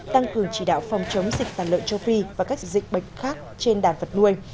tăng cường chỉ đạo phòng chống dịch tả lợn châu phi và các dịch bệnh khác trên đàn vật nuôi